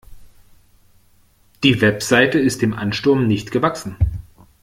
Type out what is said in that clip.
Die Website ist dem Ansturm nicht gewachsen.